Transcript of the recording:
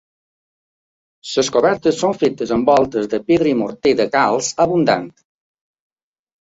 Les cobertes són fetes amb voltes de pedra i morter de calç abundant.